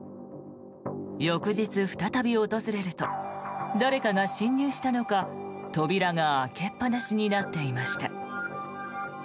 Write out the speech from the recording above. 翌日再び訪れると誰かが侵入したのか扉が開けっぱなしになっていました。